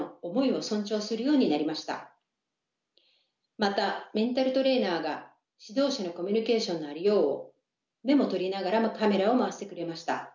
またメンタルトレーナーが指導者のコミュニケーションのありようをメモとりながらもカメラを回してくれました。